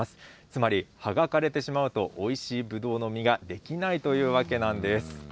つまり葉が枯れてしまうと、おいしいぶどうの実ができないというわけなんです。